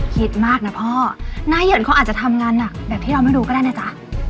คิดมากนะพ่อหน้าเหินเขาอาจจะทำงานหนักแบบที่เราไม่รู้ก็ได้นะจ๊ะ